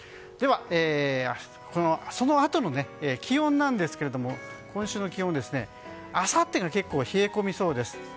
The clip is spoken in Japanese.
では、そのあとの気温ですが今週の気温、あさってが結構冷え込みそうです。